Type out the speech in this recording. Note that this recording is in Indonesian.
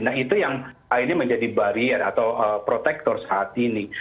nah itu yang akhirnya menjadi barier atau protektor saat ini